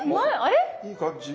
いい感じ。